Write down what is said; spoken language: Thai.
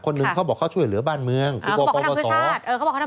คนหนึ่งเขาบอกเขาช่วยเหลือบ้านเมืองเขาบอกเขาทำเพื่อชาติ